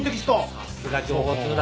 さすが情報通だ。